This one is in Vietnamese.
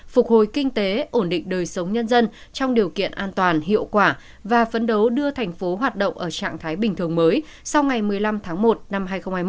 phục hồi kinh tế ổn định đời sống nhân dân trong điều kiện an toàn hiệu quả và phấn đấu đưa thành phố hoạt động ở trạng thái bình thường mới sau ngày một mươi năm tháng một năm hai nghìn hai mươi một